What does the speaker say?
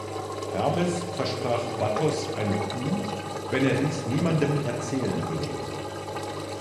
Hermes versprach Battos eine Kuh, wenn er dies niemandem erzählen würde.